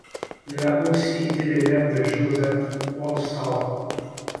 Il a aussi été l'élève de Josef Wolfsthal.